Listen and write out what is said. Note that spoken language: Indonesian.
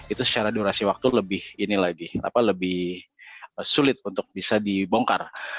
itu secara durasi waktu lebih sulit untuk bisa dibongkar